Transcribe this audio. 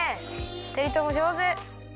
ふたりともじょうず。